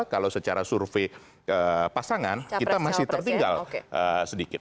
kalau secara survei pasangan kita masih tertinggal sedikit